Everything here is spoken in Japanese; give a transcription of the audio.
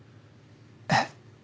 えっ？